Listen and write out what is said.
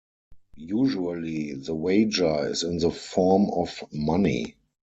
Usually the wager is in the form of money.